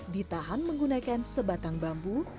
ditahan menggunakan sebatang bambu